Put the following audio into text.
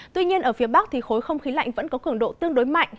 tuy nhiên ở phía bắc thì khối không khí lạnh vẫn có cường độ tương đối mạnh